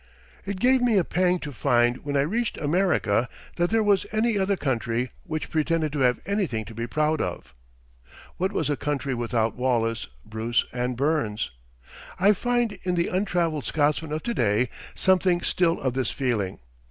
It gave me a pang to find when I reached America that there was any other country which pretended to have anything to be proud of. What was a country without Wallace, Bruce, and Burns? I find in the untraveled Scotsman of to day something still of this feeling.